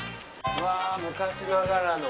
わ昔ながらの。